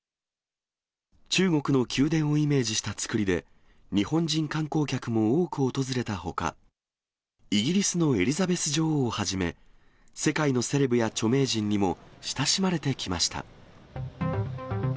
中国の宮殿をイメージした造りで、日本人観光客も多く訪れたほか、イギリスのエリザベス女王をはじめ、世界のセレブや著名人にも親しまれてきました。